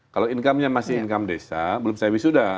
kalau income nya masih income desa belum saya wisuda